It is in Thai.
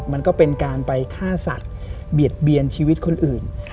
มันก็เป็นการไปฆ่าสัตว์เบียดเบียนชีวิตคนอื่น